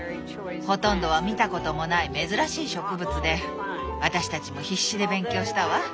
ほとんどは見たこともない珍しい植物で私たちも必死で勉強したわ。